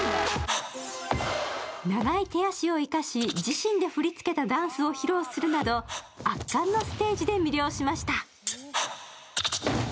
長い手足を生かし、自身で振りつけたダンスを披露するなど圧巻のステージで魅了しました。